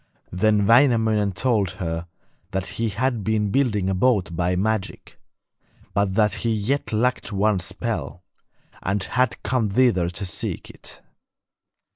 Then Wainamoinen told her that he had been building a boat by magic, but that he yet lacked one spell, and had come thither to seek it.